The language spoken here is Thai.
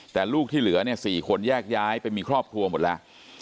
แต่ลูกที่เหลือเนี่ย๔คนแยกย้ายไปมีครอบครัวหมดแล้ว